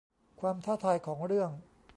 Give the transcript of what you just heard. ความท้าทายของเรื่อง